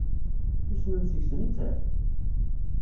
Tusmem seg-s nettat?